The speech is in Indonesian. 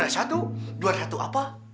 dua ada satu dua ada satu apa